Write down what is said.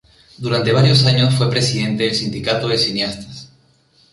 Durante varios años fue presidente del Sindicato de Cineastas.